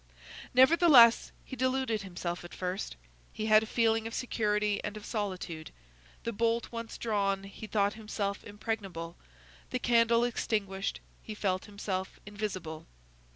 Nevertheless, he deluded himself at first; he had a feeling of security and of solitude; the bolt once drawn, he thought himself impregnable; the candle extinguished, he felt himself invisible.